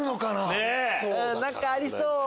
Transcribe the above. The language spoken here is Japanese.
何かありそう。